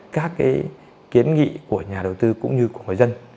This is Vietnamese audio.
các kiến nghị của nhà đầu tư cũng như của người dân